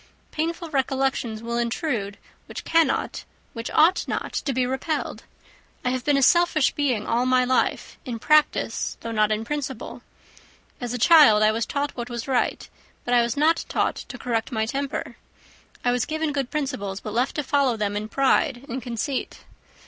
Painful recollections will intrude, which cannot, which ought not to be repelled. I have been a selfish being all my life, in practice, though not in principle. As a child I was taught what was right, but I was not taught to correct my temper. I was given good principles, but left to follow them in pride and conceit.